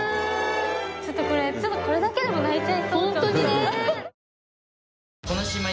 ちょっとこれちょっとこれだけでも泣いちゃいそう。